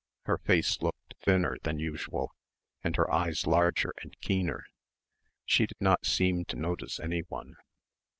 Her face looked thinner than usual and her eyes larger and keener. She did not seem to notice anyone.